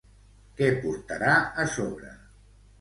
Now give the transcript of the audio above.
Què portarà a sobre?